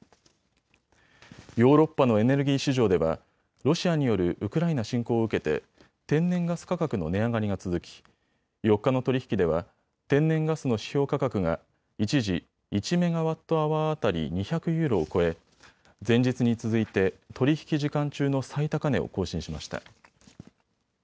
ヨーロッパのエネルギー市場ではロシアによるウクライナ侵攻を受けて天然ガス価格の値上がりが続き４日の取り引きでは天然ガスの指標価格が一時、１メガワットアワー当たり２００ユーロを超え、前日に続いて取り引き時間中の最高値を更新しました。